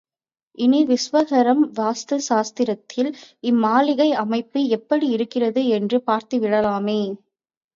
இனி விஸ்வகர்ம வாஸ்து சாஸ்திரத்தில் இம்மாளிகை அமைப்பு எப்படி இருக்கிறது என்றும் பார்த்துவிடலாமே!